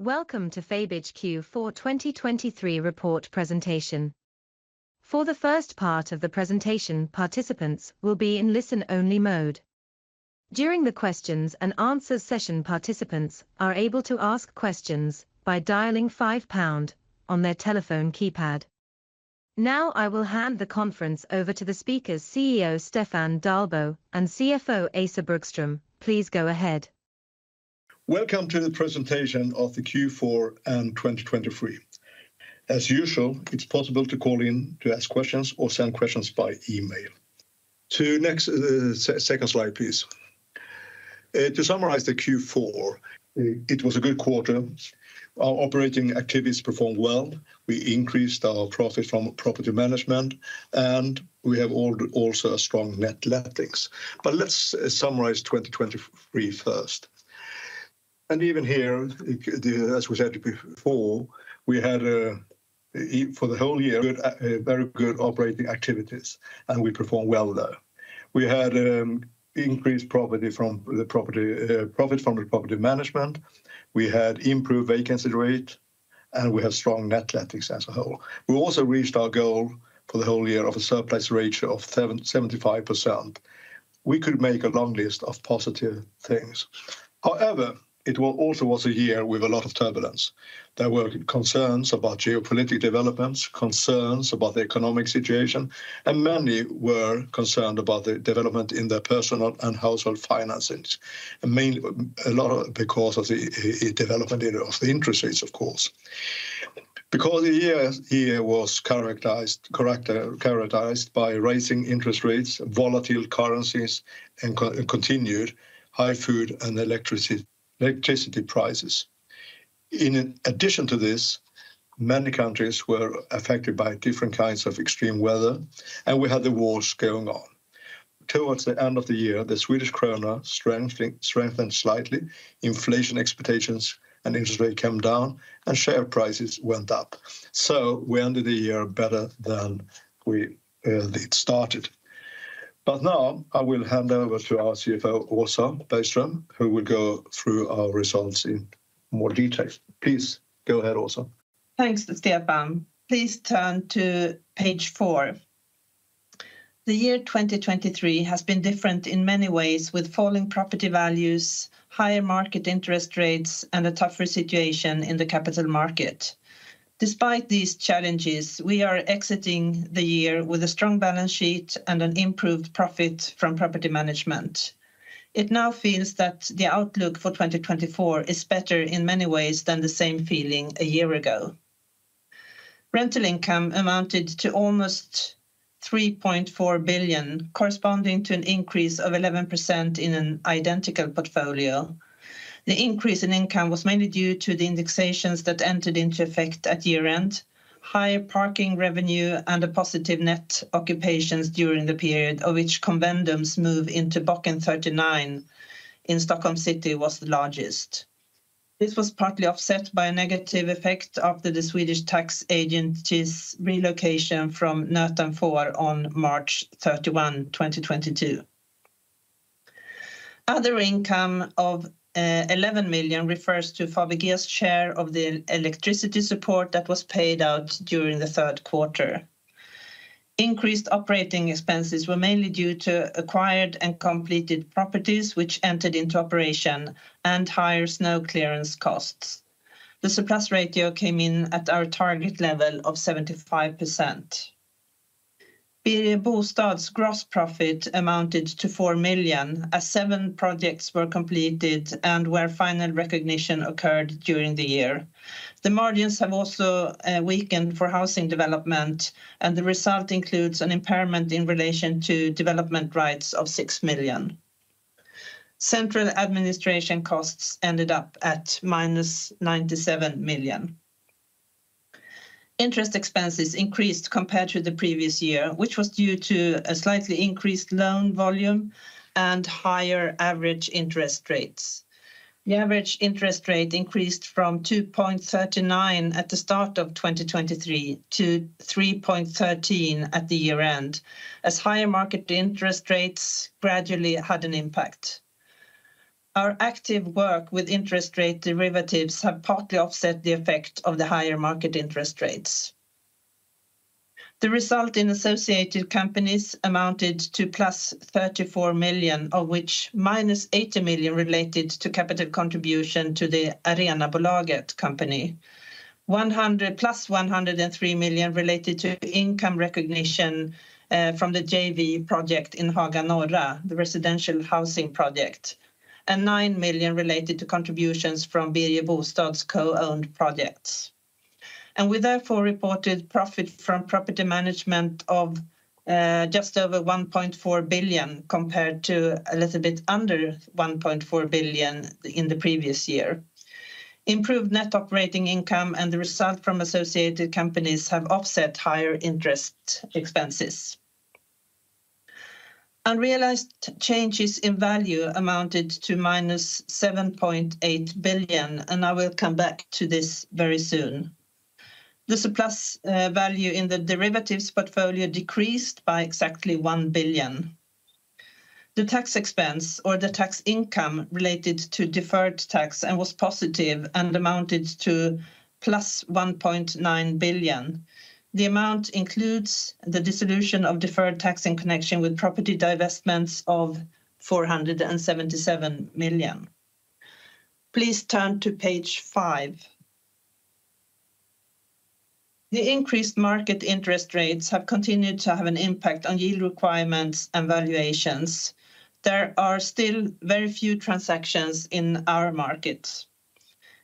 Welcome to Fabege Q4 2023 report presentation. For the first part of the presentation, participants will be in listen-only mode. During the questions and answers session, participants are able to ask questions by dialing five pound on their telephone keypad. Now, I will hand the conference over to the speakers, CEO Stefan Dahlbo and CFO Åsa Bergström. Please go ahead. Welcome to the presentation of the Q4 and 2023. As usual, it's possible to call in to ask questions or send questions by email. To next, second slide, please. To summarize the Q4, it was a good quarter. Our operating activities performed well. We increased our profit from property management, and we have also a strong net lettings. But let's summarize 2023 first. Even here, as we said before, we had a for the whole year, good, very good operating activities, and we performed well there. We had, increased property from the property, profit from the property management, we had improved vacancy rate, and we had strong net lettings as a whole. We also reached our goal for the whole year of a surplus ratio of 75%. We could make a long list of positive things. However, it was also a year with a lot of turbulence. There were concerns about geopolitical developments, concerns about the economic situation, and many were concerned about the development in their personal and household finances, and mainly because of the development of the interest rates, of course. Because the year was characterized by rising interest rates, volatile currencies, and continued high food and electricity prices. In addition to this, many countries were affected by different kinds of extreme weather, and we had the wars going on. Towards the end of the year, the Swedish krona strengthened slightly, inflation expectations and interest rate came down, and share prices went up. So we ended the year better than it started. But now I will hand over to our CFO, Åsa Bergström, who will go through our results in more detail. Please go ahead, Åsa. Thanks, Stefan. Please turn to page four. The year 2023 has been different in many ways, with falling property values, higher market interest rates, and a tougher situation in the capital market. Despite these challenges, we are exiting the year with a strong balance sheet and an improved profit from property management. It now feels that the outlook for 2024 is better in many ways than the same feeling a year ago. Rental income amounted to almost 3.4 billion, corresponding to an increase of 11% in an identical portfolio. The increase in income was mainly due to the indexations that entered into effect at year-end, higher parking revenue, and a positive net occupations during the period, of which Convendum's move into Bocken 39 in Stockholm City was the largest. This was partly offset by a negative effect after the Swedish Tax Agency's relocation from Nöten 4 on March 31, 2022. Other income of 11 million refers to Fabege's share of the electricity support that was paid out during the third quarter. Increased operating expenses were mainly due to acquired and completed properties, which entered into operation and higher snow clearance costs. The surplus ratio came in at our target level of 75%. Birger Bostad's gross profit amounted to 4 million, as seven projects were completed and where final recognition occurred during the year. The margins have also weakened for housing development, and the result includes an impairment in relation to development rights of 6 million. Central administration costs ended up at -97 million. Interest expenses increased compared to the previous year, which was due to a slightly increased loan volume and higher average interest rates. The average interest rate increased from 2.39 at the start of 2023 to 3.13 at the year-end, as higher market interest rates gradually had an impact. Our active work with interest rate derivatives have partly offset the effect of the higher market interest rates. The result in associated companies amounted to +34 million, of which -80 million related to capital contribution to the Arenabolaget company. Plus 103 million related to income recognition from the JV project in Haga Norra, the residential housing project, and 9 million related to contributions from Bir Bostad's co-owned projects. We therefore reported profit from property management of just over 1.4 billion, compared to a little bit under 1.4 billion in the previous year. Improved net operating income and the result from associated companies have offset higher interest expenses. Unrealized changes in value amounted to -7.8 billion, and I will come back to this very soon. The surplus value in the derivatives portfolio decreased by exactly 1 billion. The tax expense or the tax income related to deferred tax and was positive and amounted to +1.9 billion. The amount includes the dissolution of deferred tax in connection with property divestments of 477 million. Please turn to page five. The increased market interest rates have continued to have an impact on yield requirements and valuations. There are still very few transactions in our market.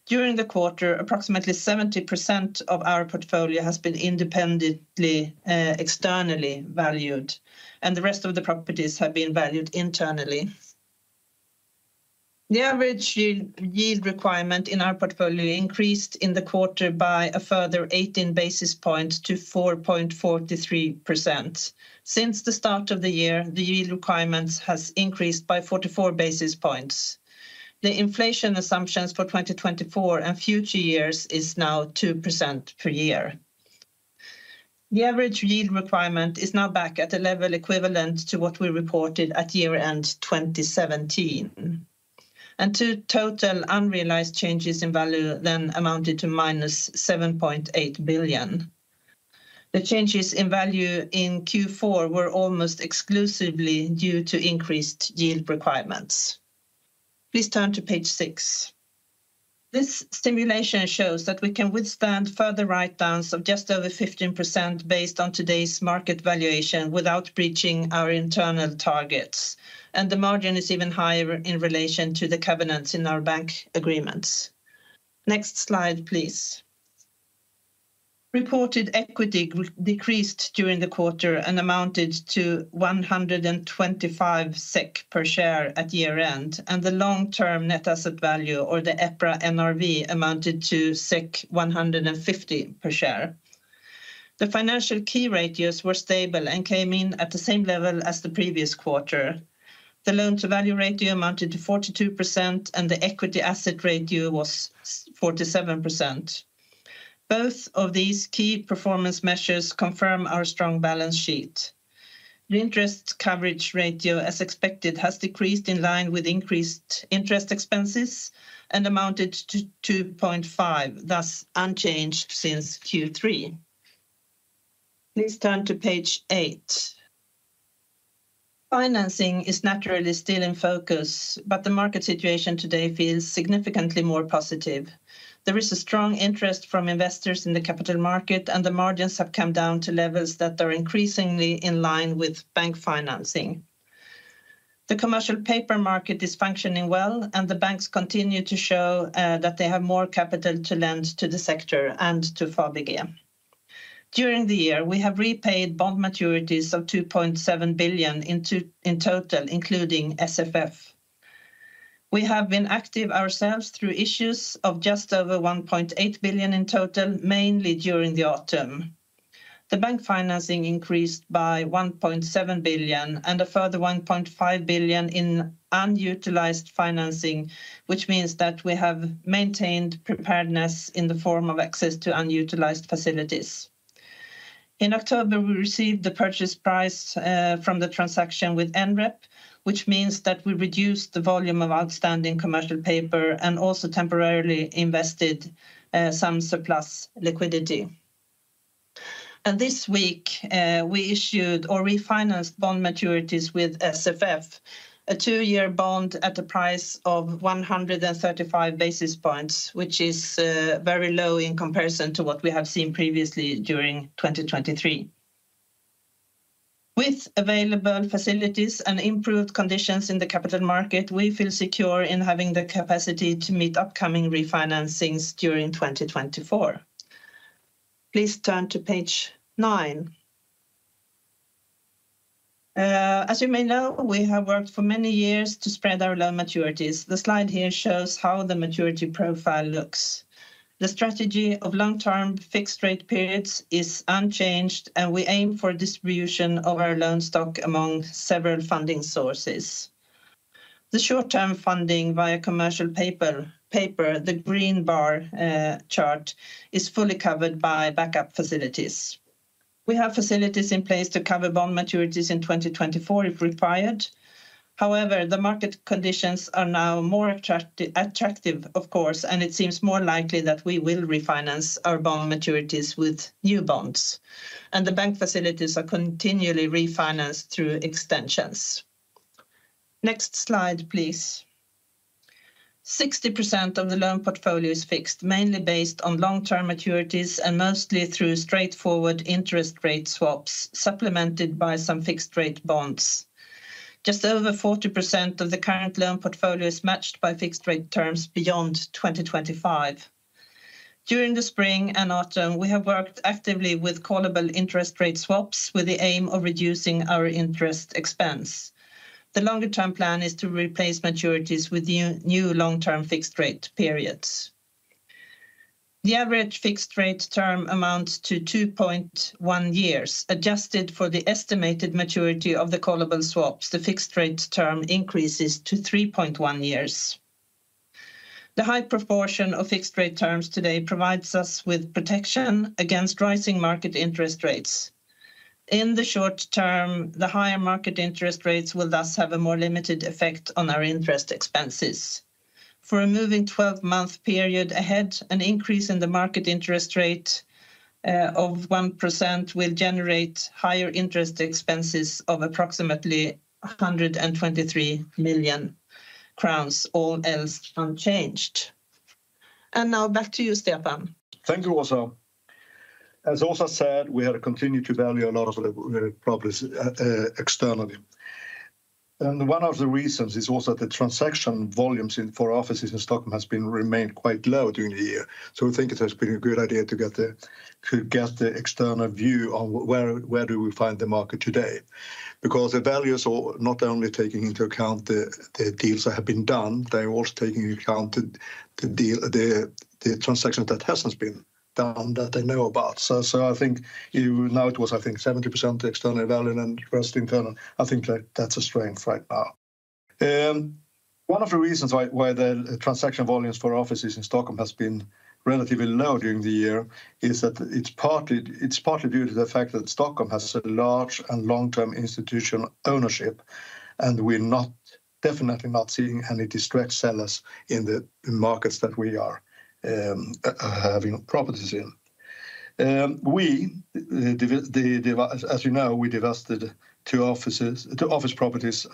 During the quarter, approximately 70% of our portfolio has been independently externally valued, and the rest of the properties have been valued internally. The average yield, yield requirement in our portfolio increased in the quarter by a further 18 basis points to 4.43%. Since the start of the year, the yield requirements has increased by 44 basis points. The inflation assumptions for 2024 and future years is now 2% per year. The average yield requirement is now back at a level equivalent to what we reported at year-end 2017, and the total unrealized changes in value then amounted to -7.8 billion. The changes in value in Q4 were almost exclusively due to increased yield requirements. Please turn to page six. This simulation shows that we can withstand further write downs of just over 15% based on today's market valuation, without breaching our internal targets, and the margin is even higher in relation to the covenants in our bank agreements. Next slide, please. Reported equity decreased during the quarter and amounted to 125 SEK per share at year-end, and the long-term net asset value, or the EPRA NRV, amounted to 150 per share. The financial key ratios were stable and came in at the same level as the previous quarter. The loan-to-value ratio amounted to 42%, and the equity asset ratio was 47%. Both of these key performance measures confirm our strong balance sheet. The interest coverage ratio, as expected, has decreased in line with increased interest expenses and amounted to 2.5, thus unchanged since Q3. Please turn to page eight. Financing is naturally still in focus, but the market situation today feels significantly more positive. There is a strong interest from investors in the capital market, and the margins have come down to levels that are increasingly in line with bank financing. The commercial paper market is functioning well, and the banks continue to show that they have more capital to lend to the sector and to Fabege. During the year, we have repaid bond maturities of 2.7 billion in total, including SFF. We have been active ourselves through issues of just over 1.8 billion in total, mainly during the autumn. The bank financing increased by 1.7 billion, and a further 1.5 billion in unutilized financing, which means that we have maintained preparedness in the form of access to unutilized facilities. In October, we received the purchase price from the transaction with NREP, which means that we reduced the volume of outstanding commercial paper and also temporarily invested some surplus liquidity. This week, we issued or refinanced bond maturities with SFF, a two-year bond at the price of 135 basis points, which is very low in comparison to what we have seen previously during 2023. With available facilities and improved conditions in the capital market, we feel secure in having the capacity to meet upcoming refinancings during 2024. Please turn to page nine. As you may know, we have worked for many years to spread our loan maturities. The slide here shows how the maturity profile looks. The strategy of long-term fixed-rate periods is unchanged, and we aim for distribution of our loan stock among several funding sources. The short-term funding via commercial paper, the green bar chart, is fully covered by backup facilities. We have facilities in place to cover bond maturities in 2024 if required. However, the market conditions are now more attractive, of course, and it seems more likely that we will refinance our bond maturities with new bonds, and the bank facilities are continually refinanced through extensions. Next slide, please. 60% of the loan portfolio is fixed, mainly based on long-term maturities and mostly through straightforward interest rate swaps, supplemented by some fixed-rate bonds. Just over 40% of the current loan portfolio is matched by fixed-rate terms beyond 2025. During the spring and autumn, we have worked actively with callable interest rate swaps, with the aim of reducing our interest expense. The longer-term plan is to replace maturities with new long-term fixed-rate periods. The average fixed-rate term amounts to 2.1 years. Adjusted for the estimated maturity of the callable swaps, the fixed-rate term increases to 3.1 years. The high proportion of fixed-rate terms today provides us with protection against rising market interest rates. In the short term, the higher market interest rates will thus have a more limited effect on our interest expenses. For a moving twelve-month period ahead, an increase in the market interest rate of 1% will generate higher interest expenses of approximately 123 million crowns, all else unchanged. And now back to you, Stefan. Thank you, Åsa. As Åsa said, we have continued to value a lot of the properties externally. And one of the reasons is also the transaction volumes for offices in Stockholm has been remained quite low during the year. So we think it has been a good idea to get the external view on where, where do we find the market today? Because the values are not only taking into account the deals that have been done, they're also taking into account the transactions that hasn't been done, that they know about. So, so I think even now it was, I think, 70% external value and the rest internal. I think that, that's a strength right now. One of the reasons why the transaction volumes for offices in Stockholm has been relatively low during the year is that it's partly due to the fact that Stockholm has a large and long-term institutional ownership, and we're definitely not seeing any distressed sellers in the markets that we are having properties in. As you know, we divested two offices, two office properties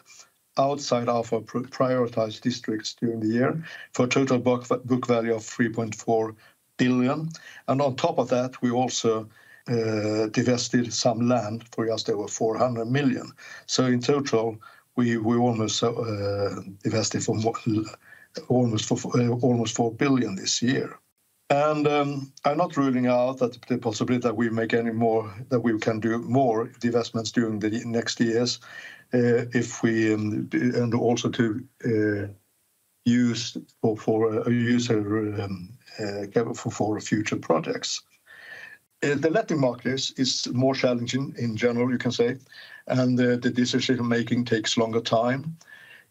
outside our prioritized districts during the year for a total book value of 3.4 billion, and on top of that, we also divested some land for just over 400 million. So in total, we almost divested for almost 4 billion this year. I'm not ruling out that the possibility that we make any more. That we can do more divestments during the next years, if we and also to use for a user for future projects. The letting markets is more challenging in general, you can say, and the decision-making takes longer time.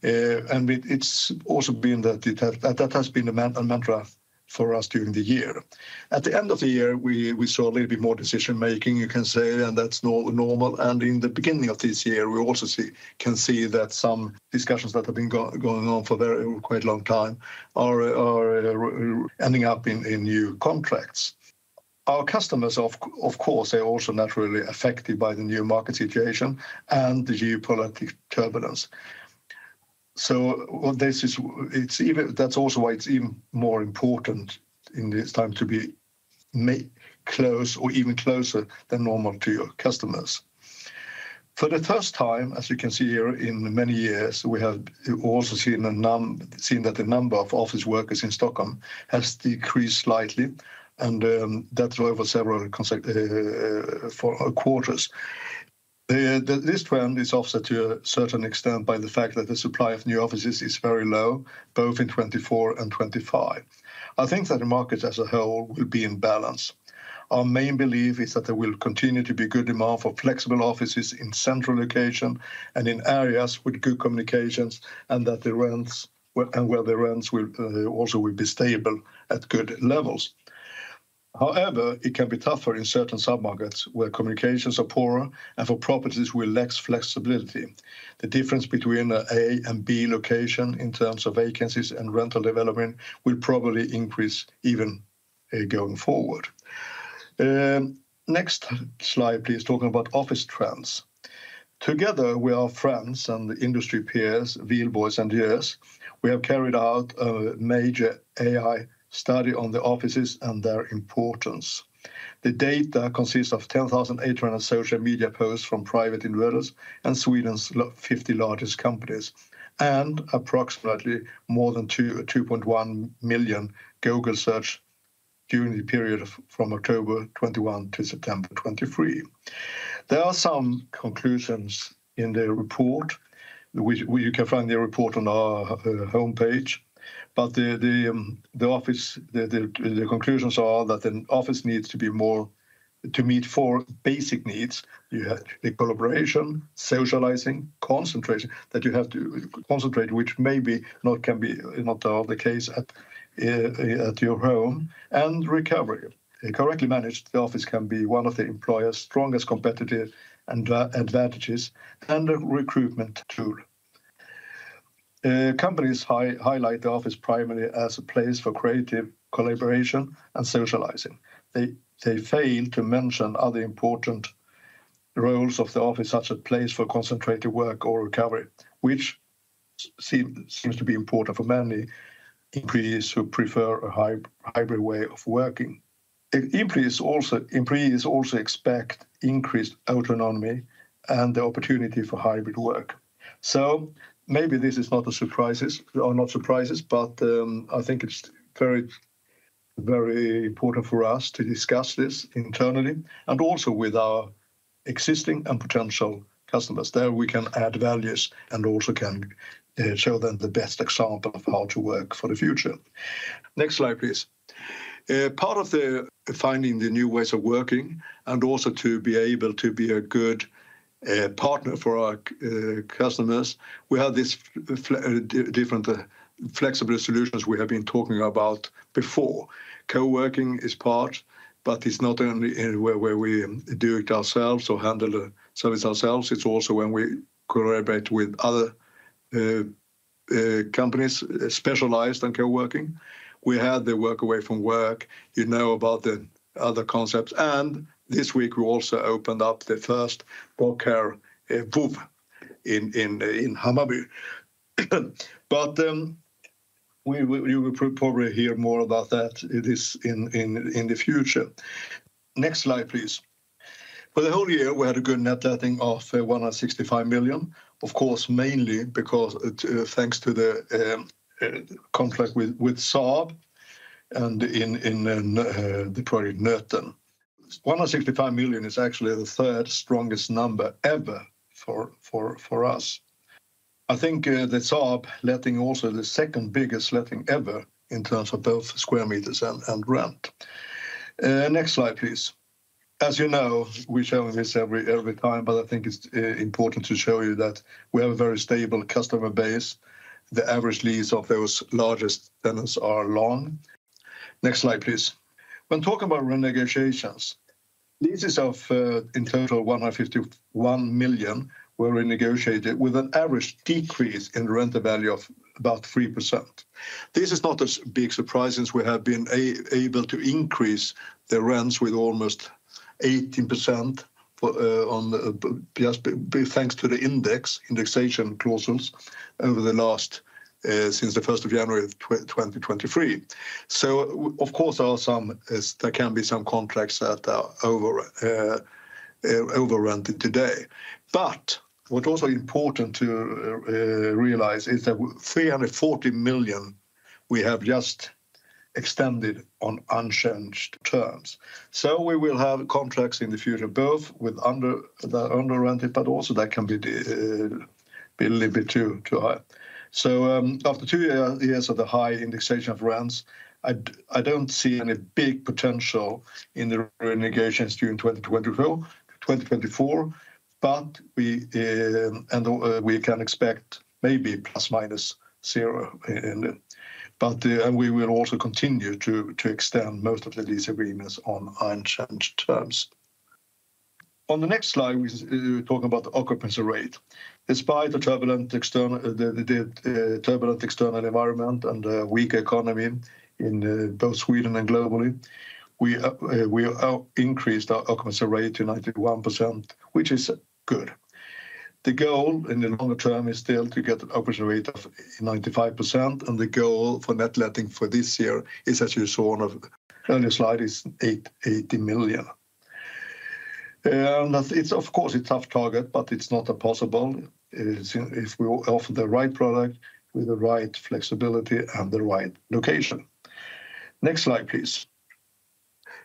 It's also been that that has been a mantra for us during the year. At the end of the year, we saw a little bit more decision-making, you can say, and that's normal, and in the beginning of this year, we also can see that some discussions that have been going on for quite a long time are ending up in new contracts. Our customers, of course, are also naturally affected by the new market situation and the geopolitical turbulence. So what this is, it's even. That's also why it's even more important in this time to be close or even closer than normal to your customers. For the first time, as you can see here, in many years, we have also seen that the number of office workers in Stockholm has decreased slightly, and that's over several consecutive quarters. This trend is offset to a certain extent by the fact that the supply of new offices is very low, both in 2024 and 2025. I think that the market as a whole will be in balance. Our main belief is that there will continue to be good demand for flexible offices in central location and in areas with good communications, and that the rents and where the rents will also be stable at good levels. However, it can be tougher in certain submarkets, where communications are poorer and for properties with less flexibility. The difference between A and B location in terms of vacancies and rental development will probably increase even, going forward. Next slide, please, talking about office trends. Together with our friends and industry peers, Wihlborgs and JLL, we have carried out a major AI study on the offices and their importance. The data consists of 10,800 social media posts from private investors and Sweden's 50 largest companies, and approximately more than 2.1 million Google search during the period from October 2021 to September 2023. There are some conclusions in the report, which you can find the report on our home page. But the conclusions are that an office needs to be more to meet four basic needs. You have the collaboration, socializing, concentration, that you have to concentrate, which maybe not can be not all the case at your home, and recovery. Correctly managed, the office can be one of the employer's strongest competitive advantages and a recruitment tool. Companies highlight the office primarily as a place for creative collaboration and socializing. They fail to mention other important roles of the office, such a place for concentrated work or recovery, which seems to be important for many employees who prefer a hybrid way of working. Employees also expect increased autonomy and the opportunity for hybrid work. So maybe this is not a surprise, but I think it's very, very important for us to discuss this internally and also with our existing and potential customers. There, we can add value and also can show them the best example of how to work for the future. Next slide, please. Part of finding the new ways of working, and also to be able to be a good partner for our customers, we have these different flexible solutions we have been talking about before. Coworking is part, but it's not only where we do it ourselves or handle the service ourselves. It's also when we collaborate with other companies specialized in coworking. We had the work away from work, you know about the other concepts, and this week we also opened up the first [Procare good] in Hammarby. But we will probably hear more about that in the future. Next slide, please. For the whole year, we had a good net letting of 165 million. Of course, mainly because thanks to the contract with Saab and in the project Nöten. 165 million is actually the third strongest number ever for us. I think the Saab letting also the second-biggest letting ever in terms of both square meters and rent. Next slide, please. As you know, we show this every time, but I think it's important to show you that we have a very stable customer base. The average lease of those largest tenants are long. Next slide, please. When talking about renegotiations, leases of in total 151 million were renegotiated with an average decrease in rental value of about 3%. This is not as big surprise, since we have been able to increase the rents with almost 18% for on the thanks to the index indexation clauses over the last since the 1st of January of 2023. So of course, there are some there can be some contracts that are over over-rented today. But what's also important to realize is that 340 million, we have just extended on unchanged terms. So we will have contracts in the future, both with under, the under-rented, but also that can be, be a little bit too, too high. So, after two years of the high indexation of rents, I don't see any big potential in the renegotiations during 2024, 2024, but we, and, we can expect maybe ±0 in it. But, and we will also continue to extend most of the lease agreements on unchanged terms. On the next slide, we talk about the occupancy rate. Despite the turbulent external environment and the weak economy in both Sweden and globally, we increased our occupancy rate to 91%, which is good. The goal in the longer term is still to get the occupancy rate of 95%, and the goal for net letting for this year is, as you saw on the earlier slide, 80 million. That it's of course a tough target, but it's not impossible, if we offer the right product with the right flexibility and the right location. Next slide, please.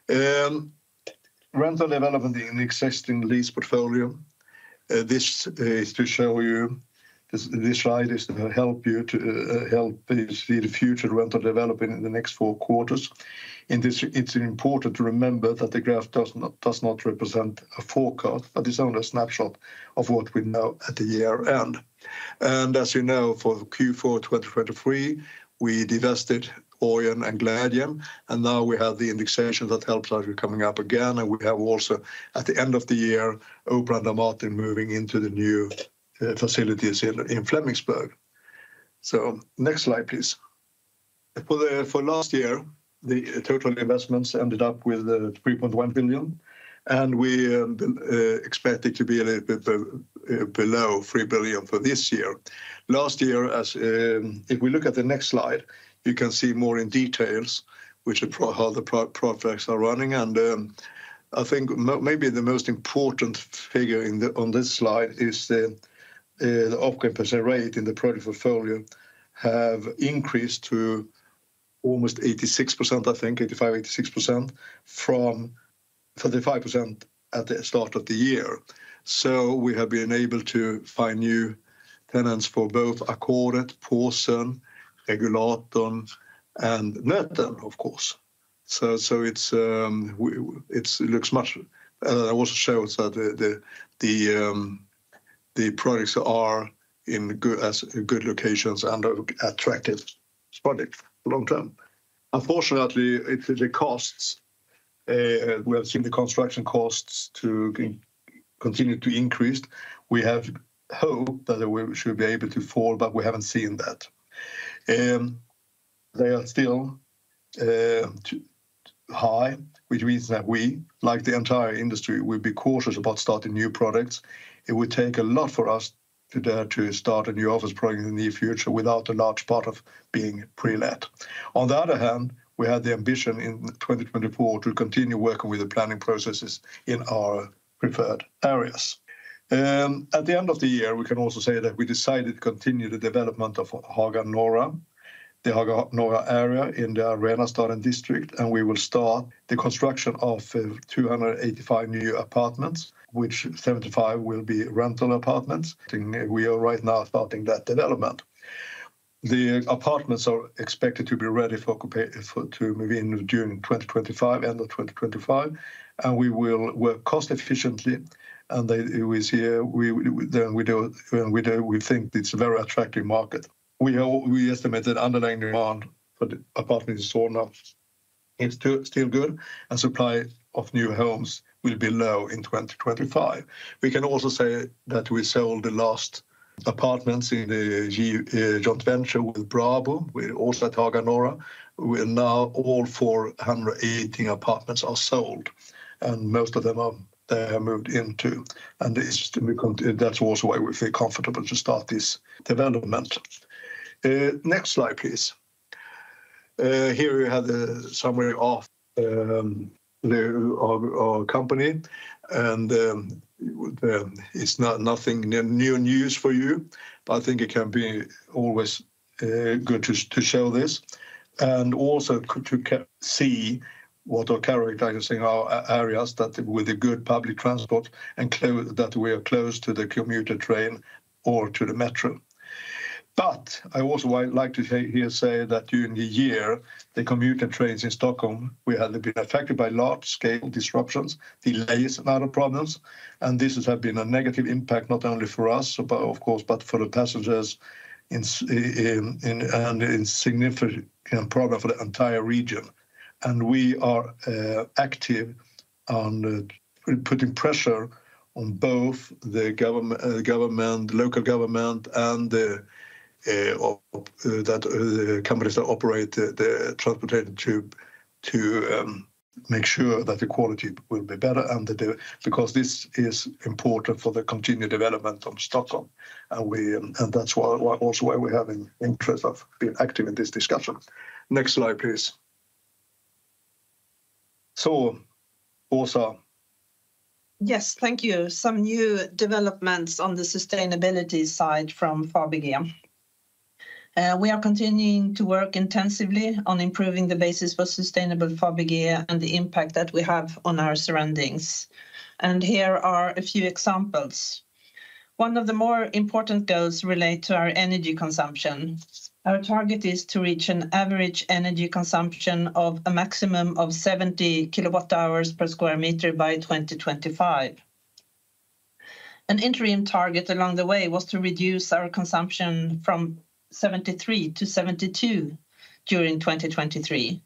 Rental development in the existing lease portfolio, this is to show you. This slide is to help you see the future rental development in the next four quarters. In this, it's important to remember that the graph does not represent a forecast, but it's only a snapshot of what we know at the year-end. As you know, for Q4 2023, we divested Orgeln and Glädjen, and now we have the indexation that helps us coming up again, and we have also, at the end of the year, Operan och Dramaten moving into the new facilities in Flemingsberg. Next slide, please. For last year, the total investments ended up with 3.1 billion, and we expect it to be a little bit below 3 billion for this year. Last year, as if we look at the next slide, you can see more in details, which are how the projects are running, and, I think maybe the most important figure on this slide is the occupancy rate in the project portfolio have increased to almost 86%, I think 85%-86%, from 35% at the start of the year. So we have been able to find new tenants for both Ackordet, Påsen, Regulatorn, and Nöten, of course. So it's looks much. I want to show that the projects are in good, as good locations and are attractive project for long term. Unfortunately, it's the costs. We have seen the construction costs to continue to increase. We have hope that they will, should be able to fall, but we haven't seen that. They are still too high, which means that we, like the entire industry, will be cautious about starting new projects. It would take a lot for us to dare to start a new office project in the near future without a large part of being pre-let. On the other hand, we had the ambition in 2024 to continue working with the planning processes in our preferred areas. At the end of the year, we can also say that we decided to continue the development of Haga Norra, the Haga Norra area in the Arenastaden district, and we will start the construction of 285 new apartments, which 75 will be rental apartments. I think we are right now starting that development. The apartments are expected to be ready for occupancy to move in during 2025, end of 2025, and we will work cost efficiently, and it is here we do. We think it's a very attractive market. We estimated underlying demand for the apartments in Solna is still good, and supply of new homes will be low in 2025. We can also say that we sold the last apartments in the joint venture with Brabo. We also at Haga Norra, we are now all 480 apartments are sold, and most of them are moved into. And that's also why we feel comfortable to start this development. Next slide, please. Here we have the summary of our company, and it's not nothing new news for you, but I think it can be always good to show this, and also to see what our core focusing areas that with the good public transport and close that we are close to the commuter train or to the metro. But I also like to say that during the year, the commuter trains in Stockholm we have been affected by large-scale disruptions, delays, and other problems, and this has had been a negative impact, not only for us, but of course but for the passengers in Stockholm, and it's a significant problem for the entire region. We are active on putting pressure on both the government, local government, and the companies that operate the transportation to make sure that the quality will be better, because this is important for the continued development of Stockholm, and we, and that's why, why also why we have an interest of being active in this discussion. Next slide, please. So Åsa? Yes, thank you. Some new developments on the sustainability side from Fabege. We are continuing to work intensively on improving the basis for sustainable Fabege and the impact that we have on our surroundings, and here are a few examples. One of the more important goals relate to our energy consumption. Our target is to reach an average energy consumption of a maximum of 70 kWh per sq m by 2025. An interim target along the way was to reduce our consumption from 73 to 72 during 2023.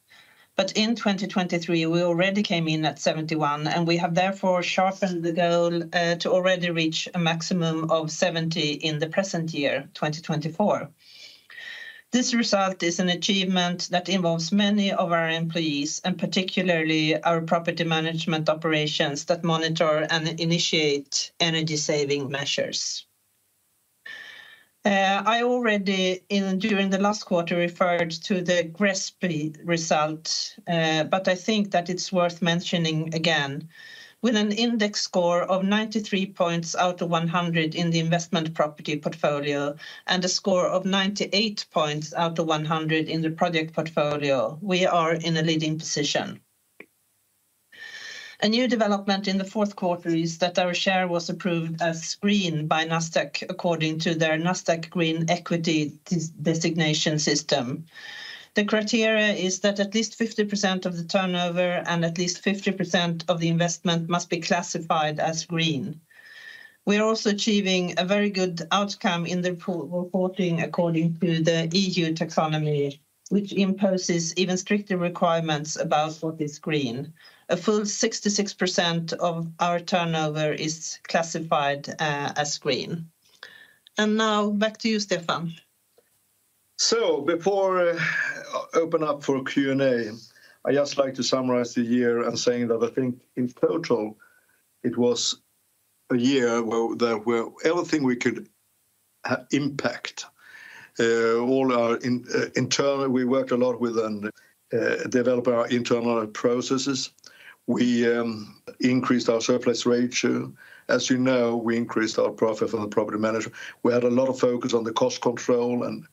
But in 2023, we already came in at 71, and we have therefore sharpened the goal to already reach a maximum of 70 in the present year, 2024. This result is an achievement that involves many of our employees, and particularly our property management operations that monitor and initiate energy-saving measures. I already, during the last quarter, referred to the GRESB result, but I think that it's worth mentioning again. With an index score of 93 points out of 100 in the investment property portfolio and a score of 98 points out of 100 in the project portfolio, we are in a leading position. A new development in the fourth quarter is that our share was approved as green by Nasdaq according to their Nasdaq Green Equity Designation system. The criteria is that at least 50% of the turnover and at least 50% of the investment must be classified as green. We are also achieving a very good outcome in the reporting according to the EU Taxonomy, which imposes even stricter requirements about what is green. A full 66% of our turnover is classified as green. Now, back to you, Stefan. So before I open up for Q&A, I'd just like to summarize the year and saying that I think in total, it was a year where there were everything we could impact all our internal. We worked a lot with and developed our internal processes. We increased our surplus ratio. As you know, we increased our profit from the property management. We had a lot of focus on the cost control, and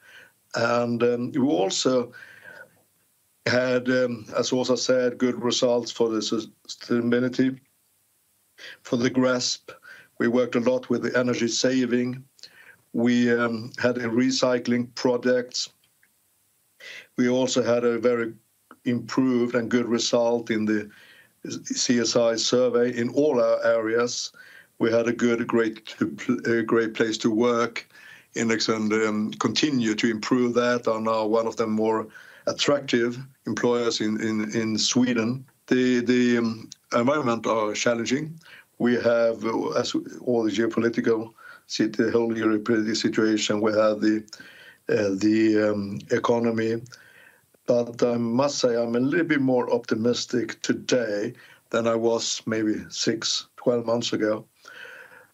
we also had, as Åsa said, good results for the sustainability. For the GRESB, we worked a lot with the energy saving. We had a recycling project. We also had a very improved and good result in the CSI survey in all our areas. We had a great place to work, and then continue to improve that, are now one of the more attractive employers in Sweden. The environment are challenging. We have as all the geopolitical the whole European situation, we have the economy, but I must say, I'm a little bit more optimistic today than I was maybe six, 12 months ago.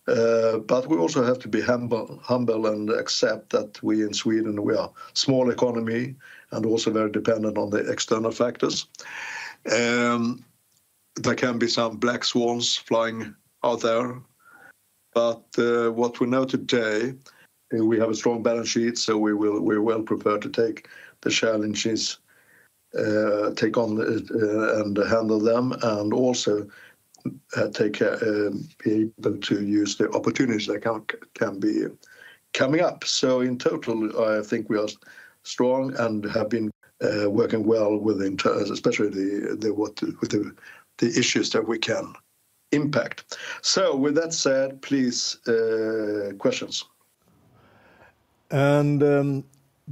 But we also have to be humble and accept that we in Sweden we are small economy and also very dependent on the external factors. There can be some black swans flying out there, but what we know today, we have a strong balance sheet, so we're well prepared to take the challenges. Take on and handle them, and also take care, be able to use the opportunities that can be coming up. So in total, I think we are strong and have been working well, especially with the issues that we can impact. So with that said, please, questions.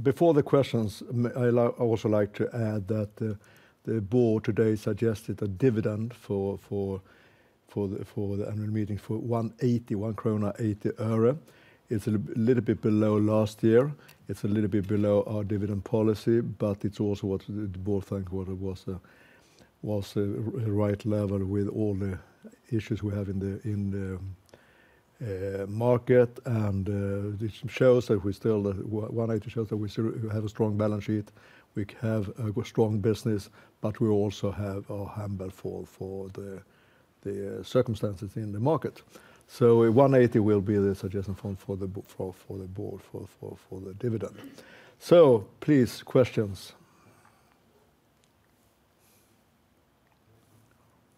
Before the questions, I'll also like to add that the board today suggested a dividend for the annual meeting for SEK 1.80. It's a little bit below last year. It's a little bit below our dividend policy, but it's also what the board think what it was the right level with all the issues we have in the market. This shows that we still, 1.80 shows that we still have a strong balance sheet, we have a strong business, but we also have our humility for the circumstances in the market. So 1.80 will be the suggestion from the board for the dividend. So please, questions.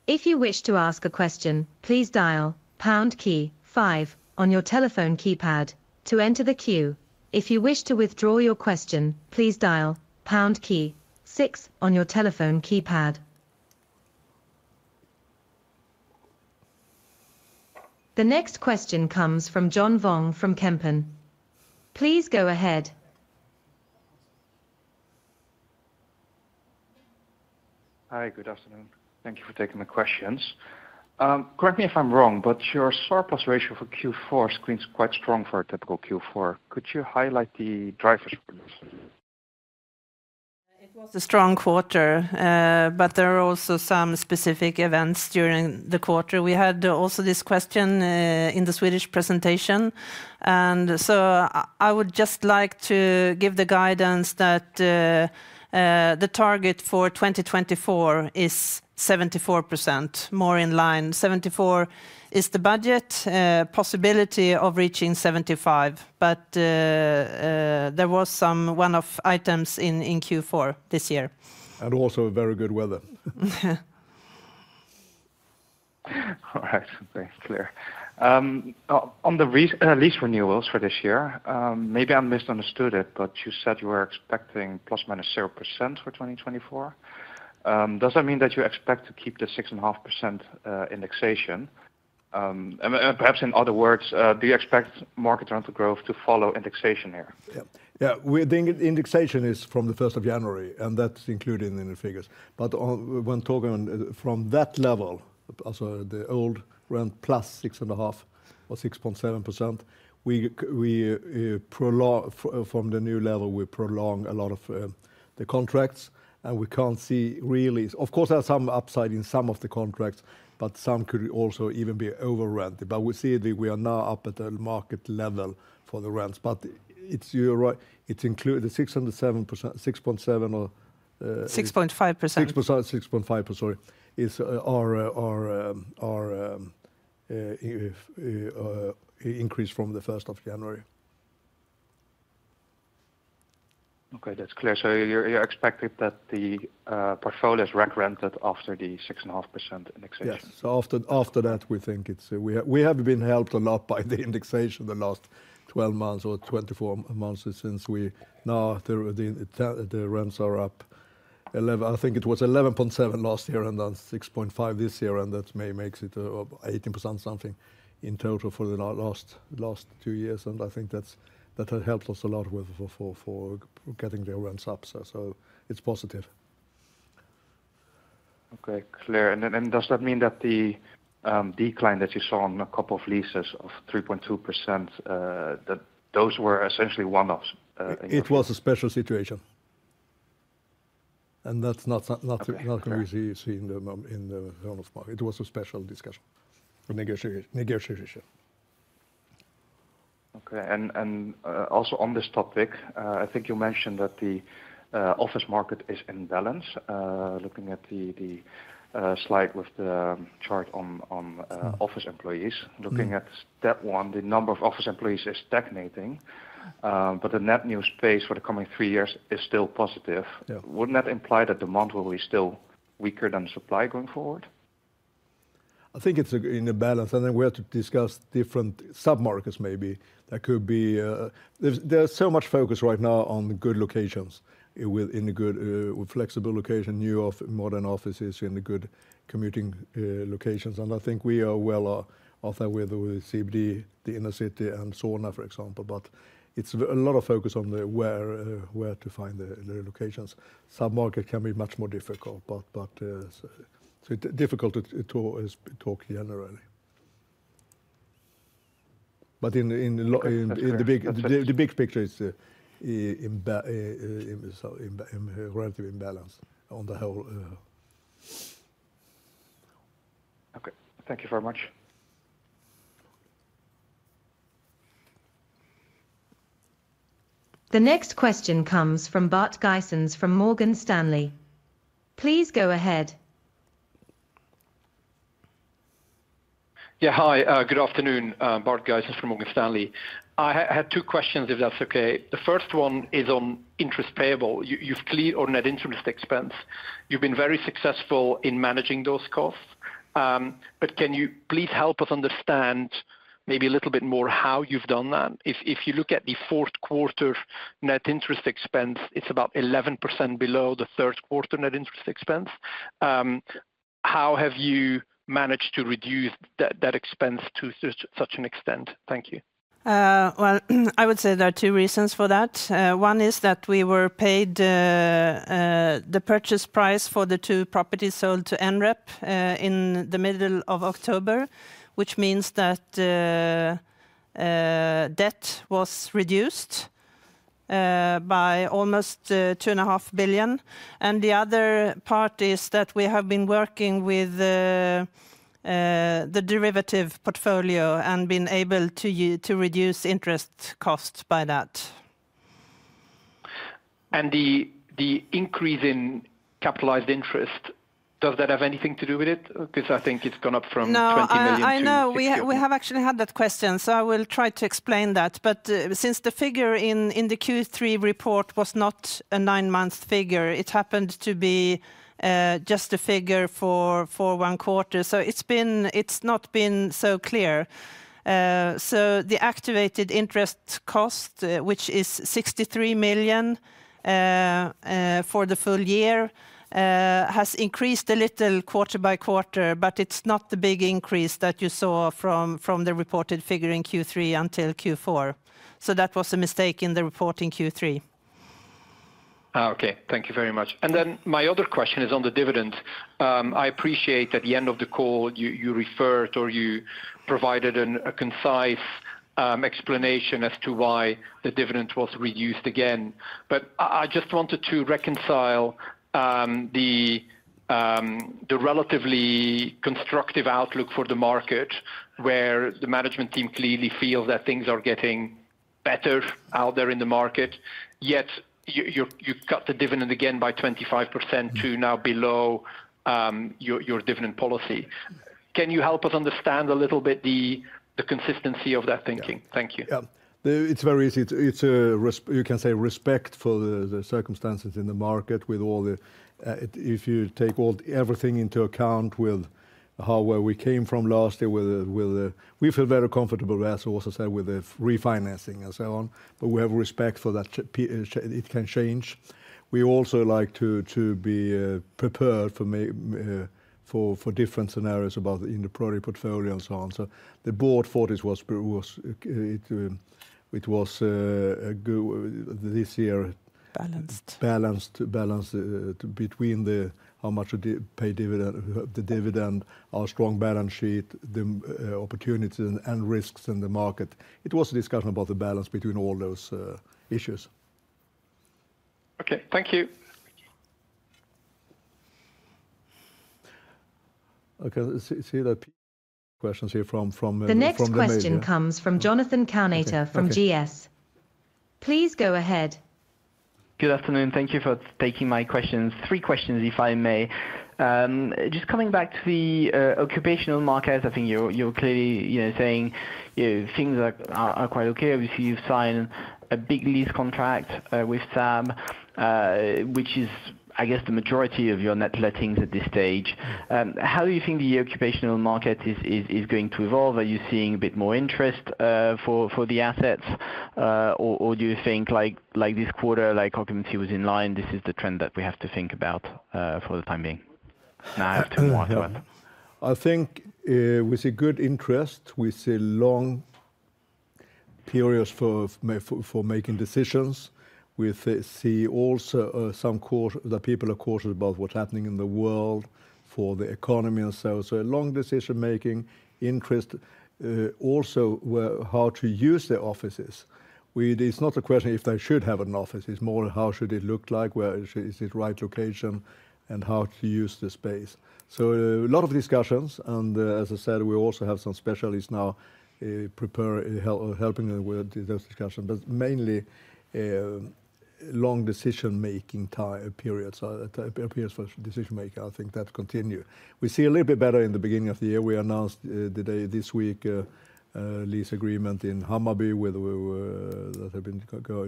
If you wish to ask a question, please dial pound key five on your telephone keypad to enter the queue. If you wish to withdraw your question, please dial pound key six on your telephone keypad. The next question comes from John Vuong from Kempen. Please go ahead. Hi, good afternoon. Thank you for taking the questions. Correct me if I'm wrong, but your surplus ratio for Q4 seems quite strong for a typical Q4. Could you highlight the drivers for this? It was a strong quarter, but there are also some specific events during the quarter. We had also this question in the Swedish presentation, and so I would just like to give the guidance that the target for 2024 is 74%, more in line. 74 is the budget, possibility of reaching 75, but there was some one-off items in Q4 this year. Also a very good weather. All right, thanks. Clear. On the lease renewals for this year, maybe I misunderstood it, but you said you were expecting ±0% for 2024. Does that mean that you expect to keep the 6.5%, indexation? And perhaps in other words, do you expect market rental growth to follow indexation here? Yeah, yeah. We think indexation is from the first of January, and that's included in the figures. But when talking from that level, also the old rent +6.5 or 6.7%, we prolong from the new level, we prolong a lot of the contracts, and we can't see really. Of course, there are some upside in some of the contracts, but some could also even be over rented. But we see that we are now up at the market level for the rents. But it's. You're right, it include the 6.7%, 6.7 or. 6.5%. 6.5, 6.5%, sorry, is our increase from the first of January. Okay, that's clear. So you're expected that the portfolio is re-rented after the 6.5% indexation? Yes. So after that, we think it's We have been helped a lot by the indexation the last 12 months or 24 months since we Now, the rents are up 11. I think it was 11.7 last year, and then 6.5 this year, and that makes it 18% something in total for the last two years. And I think that's, that has helped us a lot with getting the rents up, so it's positive. Okay, clear. And then does that mean that the decline that you saw on a couple of leases of 3.2%, that those were essentially one-offs? It was a special situation, and that's not going to see in the, in the rental market. It was a special discussion, a negotiation. Okay. And, also on this topic, I think you mentioned that the office market is in balance. Looking at the slide with the chart on office emloyees. Mm-hmm. Looking at that one, the number of office employees is stagnating, but the net new space for the coming three years is still positive. Yeah. Wouldn't that imply that demand will be still weaker than the supply going forward? I think it's a balance, and then we have to discuss different submarkets maybe. There could be There's so much focus right now on the good locations with good flexible locations, new, modern offices in the good commuting locations. And I think we are well off with CBD, the inner city and Solna, for example. But it's a lot of focus on where to find the locations. Submarkets can be much more difficult, but so difficult to talk generally. But in That's clear. In the big picture is so relative imbalance on the whole. Okay, thank you very much. The next question comes from Bart Gysens, from Morgan Stanley. Please go ahead. Yeah, hi. Good afternoon. Bart Gysens from Morgan Stanley. I had two questions, if that's okay. The first one is on interest payable. You, you've clearly on net interest expense, you've been very successful in managing those costs. But can you please help us understand maybe a little bit more how you've done that? If you look at the fourth quarter net interest expense, it's about 11% below the third quarter net interest expense. How have you managed to reduce that expense to such an extent? Thank you. Well, I would say there are two reasons for that. One is that we were paid the purchase price for the two properties sold to NREP in the middle of October, which means that debt was reduced by almost 2.5 billion. And the other part is that we have been working with the derivative portfolio and been able to to reduce interest costs by that. And the increase in capitalized interest, does that have anything to do with it? Because I think it's gone up from No. 20 million-50 million. I know. We have actually had that question, so I will try to explain that. But since the figure in the Q3 report was not a nine-month figure, it happened to be just a figure for one quarter. So it's been, it's not been so clear. So the activated interest cost, which is 63 million for the full year, has increased a little quarter by quarter, but it's not the big increase that you saw from the reported figure in Q3 until Q4. So that was a mistake in the reporting Q3. Ah, okay. Thank you very much. And then my other question is on the dividend. I appreciate at the end of the call, you referred or you provided a concise explanation as to why the dividend was reduced again. But I just wanted to reconcile the relatively constructive outlook for the market, where the management team clearly feels that things are getting better out there in the market. Yet, you've cut the dividend again by 25% to now below your dividend policy. Can you help us understand a little bit the consistency of that thinking? Yeah. Thank you. Yeah. It's very easy. You can say, respect for the circumstances in the market with all the If you take all everything into account, with how where we came from last year, we feel very comfortable with, as also said, with the refinancing and so on, but we have respect for that, it can change. We also like to be prepared for different scenarios about the in the product portfolio and so on. So the board for this was a good this year- Balanced balanced between the how much do you pay dividend, the dividend, our strong balance sheet, the opportunity and risks in the market. It was a discussion about the balance between all those issues. Okay, thank you. Okay, let's see the questions here from The next question comes from Jonathan Kantor. Okay from GS. Please go ahead. Good afternoon. Thank you for taking my questions. Three questions, if I may. Just coming back to the occupational markets, I think you're clearly, you know, saying things are quite okay. Obviously, you've signed a big lease contract with some, which is, I guess, the majority of your Net Lettings at this stage. How do you think the occupational market is going to evolve? Are you seeing a bit more interest for the assets? Or do you think like, like this quarter, like, occupancy was in line, this is the trend that we have to think about for the time being? Now after more, go on. I think, we see good interest. We see long periods for making decisions. We see also, the people are cautious about what's happening in the world, for the economy and so. So long decision-making, interest, also how to use their offices. It's not a question if they should have an office, it's more how should it look like, where is it right location, and how to use the space. So a lot of discussions, and, as I said, we also have some specialists now, helping with those discussions. But mainly, long decision-making time periods, periods for decision-making. I think that continue. We see a little bit better in the beginning of the year. We announced today, this week, a lease agreement in Hammarby with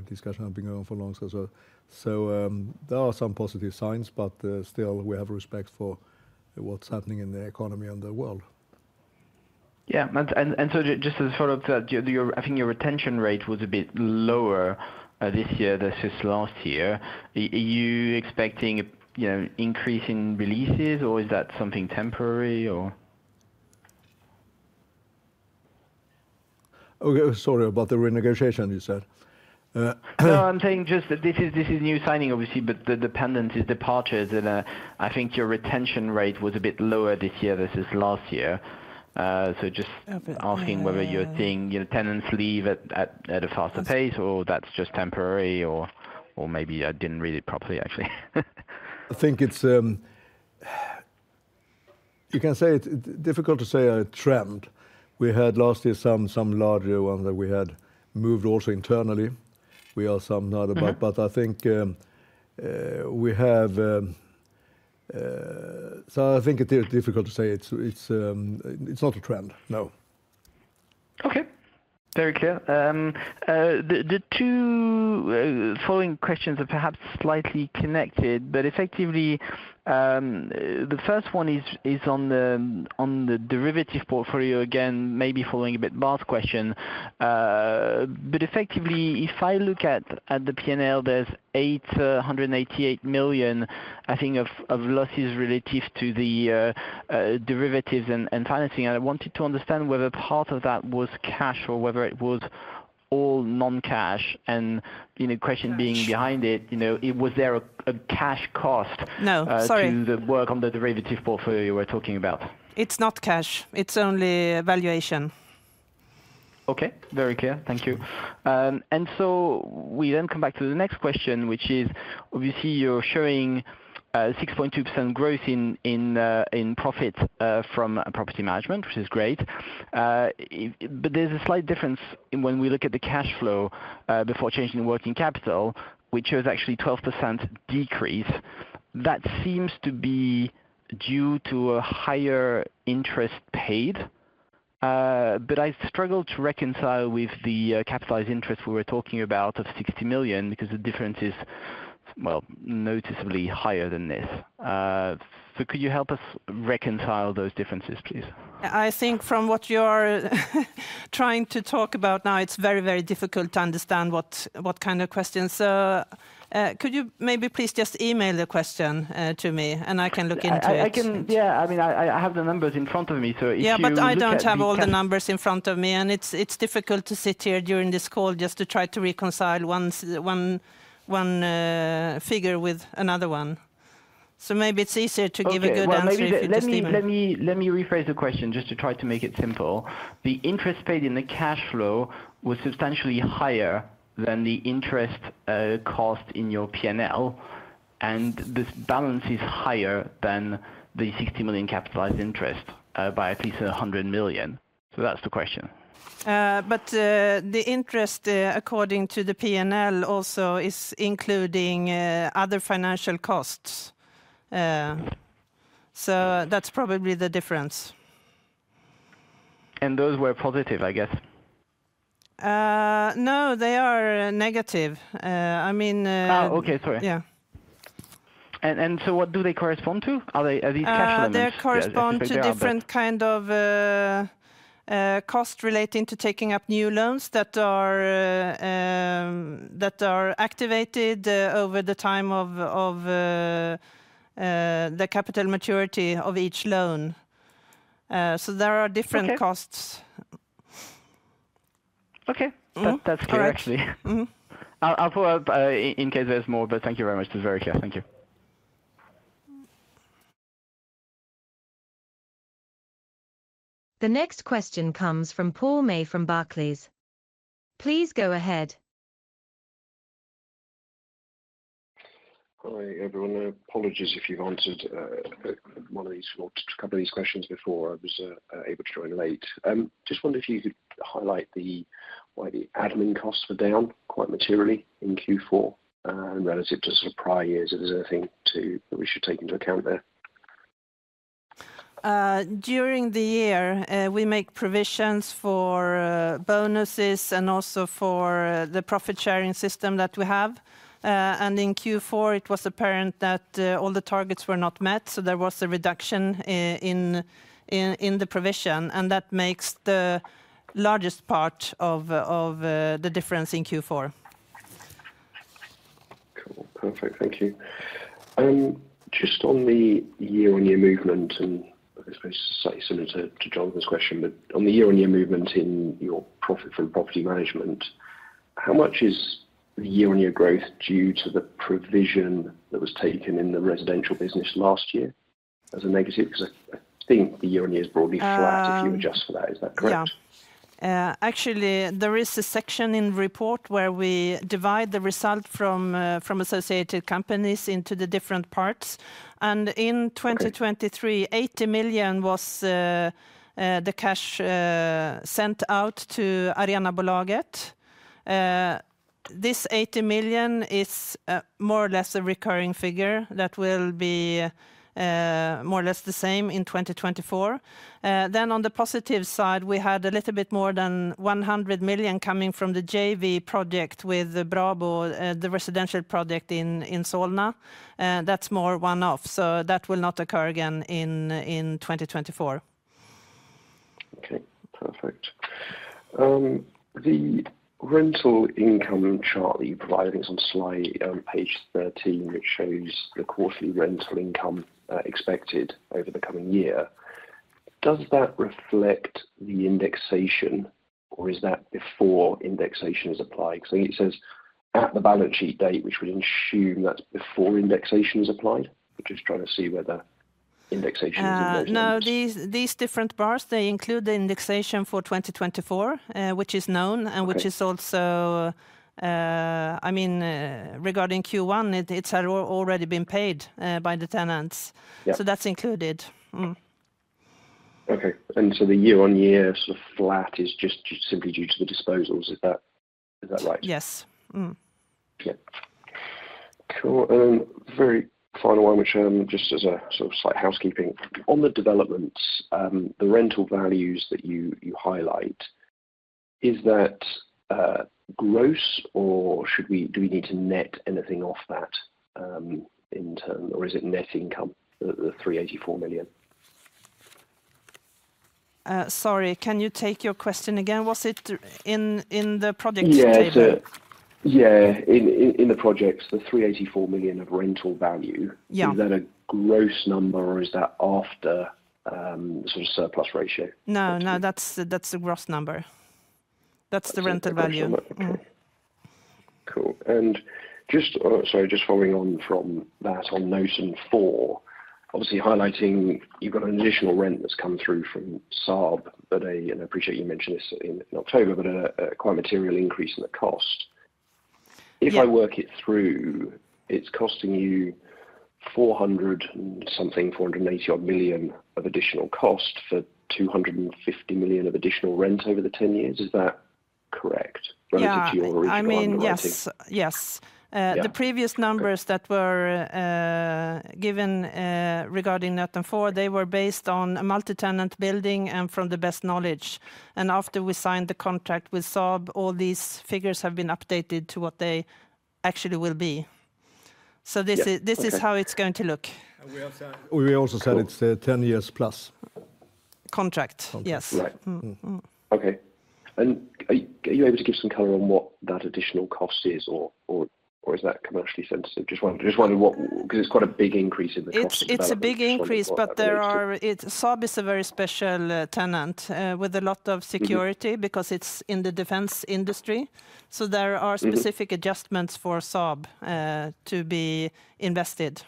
discussions that have been going on for long as well. So, there are some positive signs, but still we have respect for what's happening in the economy and the world. Yeah. So just as a follow-up to that, I think your retention rate was a bit lower this year than since last year. Are you expecting, you know, increase in releases, or is that something temporary or? Okay, sorry, about the renegotiation, you said? No, I'm saying just that this is, this is new signing, obviously, but the dependent is departures, and I think your retention rate was a bit lower this year than since last year. So just A bit, yeah. asking whether you're seeing your tenants leave at a faster pace, or that's just temporary, or maybe I didn't read it properly, actually? I think it's, you can say it's difficult to say a trend. We had last year, some larger ones that we had moved also internally. We are some now Mm-hmm but I think. We have. So I think it is difficult to say. It's not a trend, no. Okay, very clear. The two following questions are perhaps slightly connected, but effectively, the first one is on the derivative portfolio, again, maybe following a bit Mark's question. But effectively, if I look at the P&L, there's 888 million, I think, of losses relative to the derivatives and financing. I wanted to understand whether part of that was cash or whether it was all non-cash, and, you know, question being behind it, you know, it was there a cash cost No, sorry. as to the work on the derivative portfolio you were talking about? It's not cash. It's only valuation. Okay, very clear. Thank you. And so we then come back to the next question, which is, obviously, you're showing 6.2% growth in profit from property management, which is great. But there's a slight difference when we look at the cash flow before changing the working capital, which shows actually 12% decrease. That seems to be due to a higher interest paid, but I struggle to reconcile with the capitalized interest we were talking about of 60 million because the difference is, well, noticeably higher than this. So could you help us reconcile those differences, please? I think from what you're trying to talk about now, it's very, very difficult to understand what kind of question. So, could you maybe please just email the question to me, and I can look into it? I can. Yeah, I mean, I have the numbers in front of me, so if you look at Yeah, but I don't have all the numbers in front of me, and it's, it's difficult to sit here during this call just to try to reconcile one's one, one, figure with another one. So maybe it's easier to give a good answer if you just email. Okay. Well, maybe let me rephrase the question just to try to make it simple. The interest paid in the cash flow was substantially higher than the interest cost in your P&L, and this balance is higher than the 60 million capitalized interest by at least 100 million. So that's the question. But, the interest, according to the P&L, also is including other financial costs. So that's probably the difference. Those were positive, I guess? No, they are negative. I mean, Oh, okay. Sorry. Yeah. So what do they correspond to? Are these cash loans? They correspond to different kind of cost relating to taking up new loans that are activated over the time of the capital maturity of each loan. So there are different Okay costs. Okay. Mm-hmm. That, that's clear, actually. Mm-hmm. I'll follow up, in case there's more, but thank you very much. That's very clear. Thank you. The next question comes from Paul May from Barclays. Please go ahead. Hi, everyone. Apologies if you've answered one of these questions, a couple of these questions before. I was able to join late. Just wondered if you could highlight the why the admin costs were down quite materially in Q4, relative to sort of prior years. Is there anything that we should take into account there? During the year, we make provisions for bonuses and also for the profit-sharing system that we have. And in Q4, it was apparent that all the targets were not met, so there was a reduction in the provision, and that makes the largest part of the difference in Q4. Cool. Perfect. Thank you. Just on the year-over-year movement, and I suppose slightly similar to Jonathan's question, but on the year-over-year movement in your profit from property management, how much is the year-over-year growth due to the provision that was taken in the residential business last year as a negative? Because I think the year-over-year is broadly flat Um. If you adjust for that. Is that correct? Yeah. Actually, there is a section in the report where we divide the result from associated companies into the different parts. In 2023, 80 million was the cash sent out to Arenabolaget. This 80 million is more or less a recurring figure that will be more or less the same in 2024. Then on the positive side, we had a little bit more than 100 million coming from the JV project with Bir Bostad, the residential project in Solna. That's more one-off, so that will not occur again in 2024. Okay, perfect. The rental income chart that you provide, I think it's on slide, page 13, which shows the quarterly rental income, expected over the coming year. Does that reflect the indexation, or is that before indexation is applied? Because I think it says at the balance sheet date, which would assume that's before indexation is applied. I'm just trying to see whether indexation is in those numbers. No, these, these different bars, they include the indexation for 2024, which is known and which is also, I mean, regarding Q1, it's already been paid by the tenants. Yeah. That's included. Mm. Okay, and so the year-on-year sort of flat is just, just simply due to the disposals. Is that, is that right? Yes. Mm. Yeah. Cool, and then very final one, which, just as a sort of slight housekeeping. On the developments, the rental values that you, you highlight, is that, gross or should we do we need to net anything off that, in term? Or is it net income, the, the 384 million? Sorry, can you take your question again? Was it in the projects table? Yeah, in the projects, the 384 million of rental value Yeah. Is that a gross number or is that after, sort of Surplus Ratio? No, no, that's the, that's the gross number. That's the rental value. Okay. Cool. And just, sorry, just following on from that, on Nöten 4, obviously highlighting you've got an additional rent that's come through from Saab, but I, and I appreciate you mentioning this in October, but a quite material increase in the cost. Yeah. If I work it through, it's costing you 400 something, 480-odd million of additional cost for 250 million of additional rent over the 10 years. Is that correct? Yeah. relative to your original underwriting? I mean, yes. Yes. Yeah. The previous numbers that were given regarding Nöten 4, they were based on a multi-tenant building and from the best knowledge. After we signed the contract with Saab, all these figures have been updated to what they actually will be. Yeah. Okay. This is, this is how it's going to look. We also, we also said it's 10+ years. Contract. Contract. Yes. Right. Mm-hmm. Mm. Okay. Are you able to give some color on what that additional cost is or is that commercially sensitive? Just wondering what Because it's quite a big increase in the cost. It's a big increase but there are. Saab is a very special tenant with a lot of security. because it's in the defense industry. So there are Mm-hmm specific adjustments for Saab, to be invested.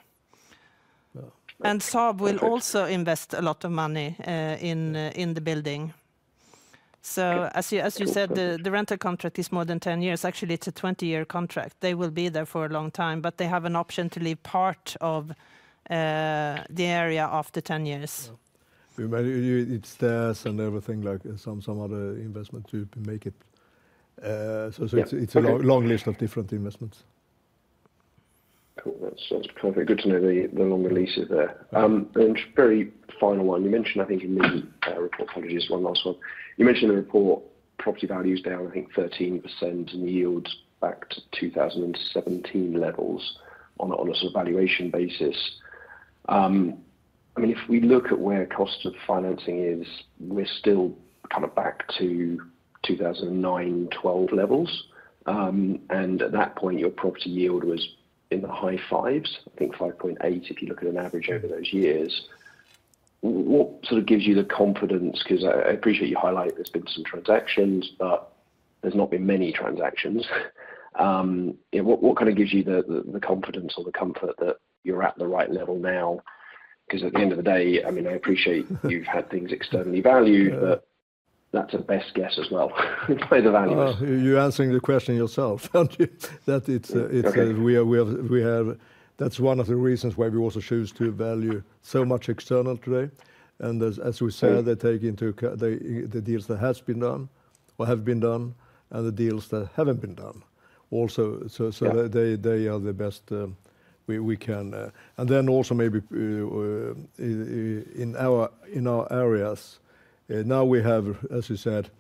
Yeah. Saab will also invest a lot of money in the building. So as you said, the rental contract is more than 10 years. Actually, it's a 20-year contract. They will be there for a long time, but they have an option to leave part of the area after 10 years. Yeah. We made it, it's theirs and everything, like some other investment to make it. So, Yeah. it's a long, long list of different investments. Cool. That sounds perfect. Good to know the long lease is there. And very final one. You mentioned, I think, in the report, apologies, one last one. You mentioned in the report, property value is down, I think 13%, and yields back to 2017 levels on a, on a sort of valuation basis. I mean, if we look at where cost of financing is, we're still kind of back to 2009-2012 levels. And at that point, your property yield was in the high fives, I think 5.8, if you look at an average over those years. What sort of gives you the confidence? Because I, I appreciate you highlight there's been some transactions, but there's not been many transactions. Yeah, what kind of gives you the confidence or the comfort that you're at the right level now? Because at the end of the day, I mean, I appreciate you've had things externally valued Yeah but that's a best guess as well, by the valuers. Well, you're answering the question yourself, aren't you? That it's, it's, we have That's one of the reasons why we also choose to value so much external today. And as we said, they take into account the deals that has been done or have been done, and the deals that haven't been done also. So they are the best we can. And then also maybe in our areas, now we have, as you said,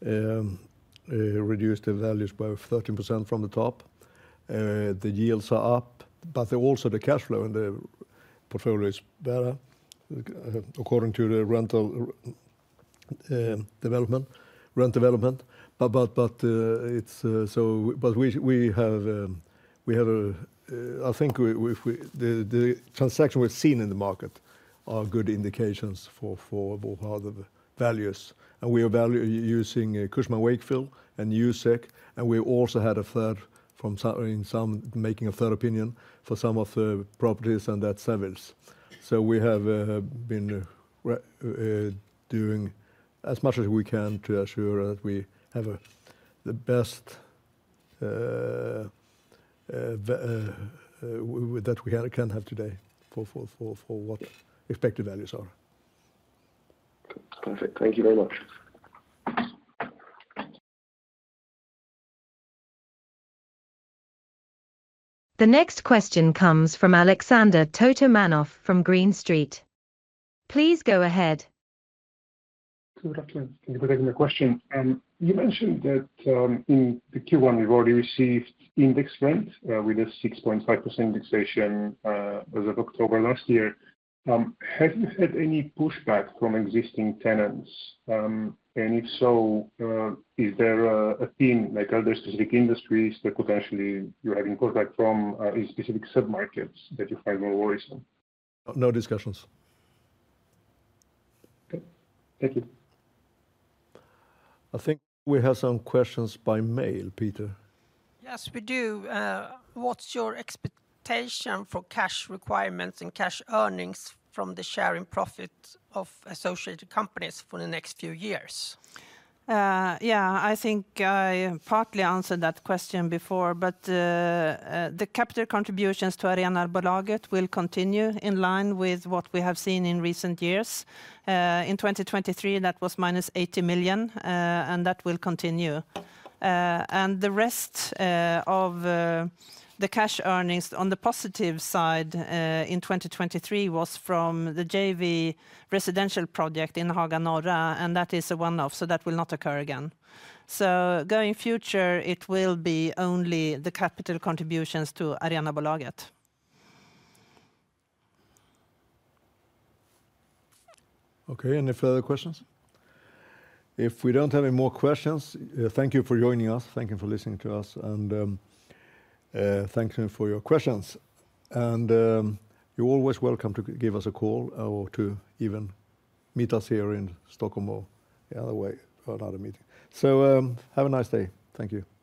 reduced the values by 13% from the top. The yields are up, but then also the cash flow in the portfolio is better according to the rental development, rent development. But it's so. But we have, I think, if we, the transaction we've seen in the market are good indications for what are the values. And we evaluate using Cushman & Wakefield and Newsec, and we also had a third from some in some making a third opinion for some of the properties and that service. So we have been doing as much as we can to ensure that we have the best that we can have today for what expected values are. Perfect. Thank you very much. The next question comes from Alexander Totomanov from Green Street. Please go ahead. Good afternoon. Thank you for taking the question. You mentioned that, in the Q1, you've already received index rent, with a 6.5% indexation, as of October last year. Have you had any pushback from existing tenants? And if so, is there a theme, like are there specific industries that potentially you're having pushback from, in specific submarkets that you have more worries on? No discussions. Okay, thank you. I think we have some questions by mail, Peter. Yes, we do. What's your expectation for cash requirements and cash earnings from the share in profit of associated companies for the next few years? Yeah, I think I partly answered that question before, but the capital contributions to Arenabolaget will continue in line with what we have seen in recent years. In 2023, that was -80 million, and that will continue. And the rest of the cash earnings on the positive side in 2023 was from the JV residential project in Haga Norra, and that is a one-off, so that will not occur again. So going future, it will be only the capital contributions to Arenabolaget. Okay, any further questions? If we don't have any more questions, thank you for joining us, thank you for listening to us, and thank you for your questions. You're always welcome to give us a call or to even meet us here in Stockholm or the other way, or another meeting. Have a nice day. Thank you.